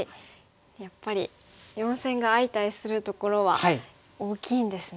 やっぱり四線が相対するところは大きいんですね。